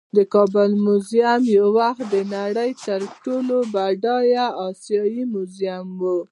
د کابل میوزیم یو وخت د نړۍ تر ټولو بډایه آسیايي میوزیم و